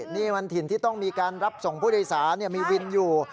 นี่มันถิ่นที่ต้องมีการรับส่งผู้โดยสารมีวินอยู่